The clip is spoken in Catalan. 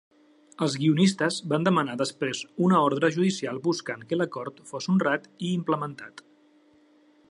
Els guionistes van demanar després una ordre judicial buscant que l'acord fos honrat i implementat.